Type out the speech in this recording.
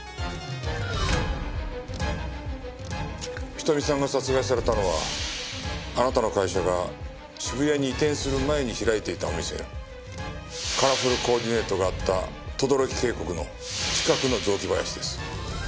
瞳さんが殺害されたのはあなたの会社が渋谷に移転する前に開いていたお店カラフルコーディネートがあった等々力渓谷の近くの雑木林です。